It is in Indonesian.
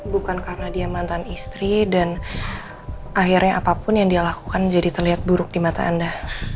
bukan karena dia mantan istri dan akhirnya apapun yang dia lakukan jadi terlihat buruk di mata anda